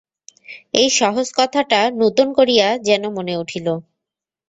এই সহজ কথাটা নূতন করিয়া যেন মনে উঠিল।